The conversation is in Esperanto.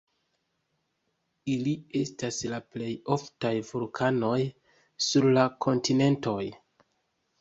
Ili estas la plej oftaj vulkanoj sur la kontinentoj.